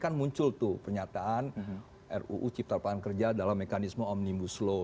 kan muncul tuh pernyataan ruu cipta pangan kerja dalam mekanisme omnibus law